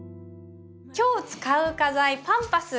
今日使う花材パンパス。